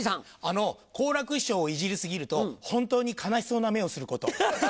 好楽師匠をイジり過ぎると本当に悲しそうな目をすること。